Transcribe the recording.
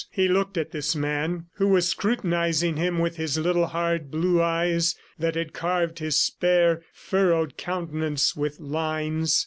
He looked at this man, who was scrutinizing him with his little hard blue eyes that had carved his spare, furrowed countenance with lines.